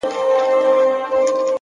اخلاص د باور تر ټولو قوي بنسټ دی.!